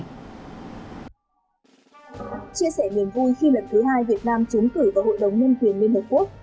chia sẻ niềm vui khi lần thứ hai việt nam trúng cử vào hội đồng nhân quyền liên hợp quốc